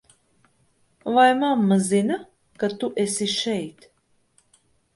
Vai mamma zina, ka tu esi šeit?